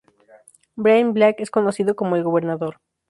Brian Blake es conocido como "El Gobernador".